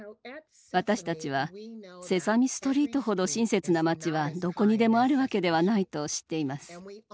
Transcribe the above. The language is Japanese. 私たちは「セサミストリート」ほど親切な町はどこにでもあるわけではないと知っています。